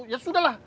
ya sudah lah